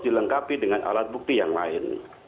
dilengkapi dengan alat bukti yang lain